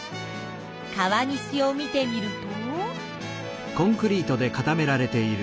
川岸を見てみると。